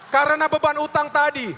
karena beban utang tadi